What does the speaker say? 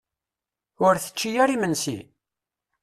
Ur tečči ara imensi?